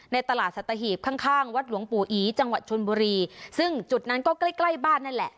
ในตลาดสัตหีบข้างข้างวัดหลวงปู่อีจังหวัดชนบุรีซึ่งจุดนั้นก็ใกล้ใกล้บ้านนั่นแหละ